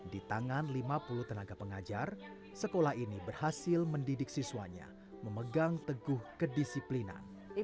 di tangan lima puluh tenaga pengajar sekolah ini berhasil mendidik siswanya memegang teguh kedisiplinan